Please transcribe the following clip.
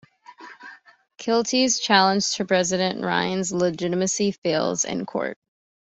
Kealty's challenge to President Ryan's legitimacy fails in court.